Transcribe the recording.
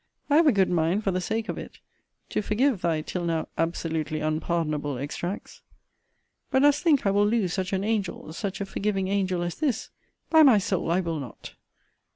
I have a good mind, for the sake of it, to forgive thy till now absolutely unpardonable extracts. But dost think I will lose such an angel, such a forgiving angel, as this? By my soul, I will not!